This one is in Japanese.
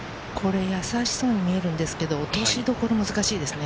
やさしそうに見えるんですけれど、落とし所が難しいですね。